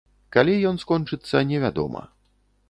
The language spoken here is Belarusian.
Калі ён скончыцца, невядома.